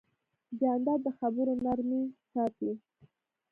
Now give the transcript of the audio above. جانداد د خبرو نرمي ساتي.